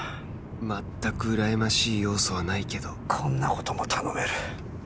全くうらやましい要素はないけどこんな事も頼める。